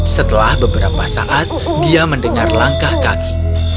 setelah beberapa saat dia mendengar langkah kaki